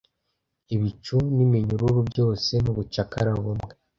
Ibicu n'iminyururu byose mubucakara bumwe